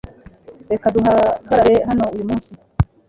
Reka duhagarare hano uyu munsi .